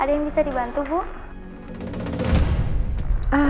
ada yang bisa dibantu bu